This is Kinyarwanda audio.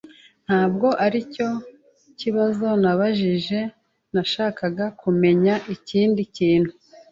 Ntabwo aricyo kibazo nabajije. Nashakaga kumenya ikindi kintu.